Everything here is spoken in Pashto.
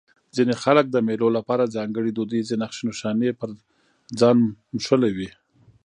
ځيني خلک د مېلو له پاره ځانګړي دودیزې نخښي نښانې پر ځان موښلوي.